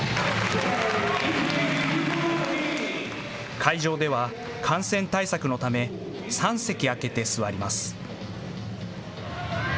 会場では感染対策のため３席空けて座ります。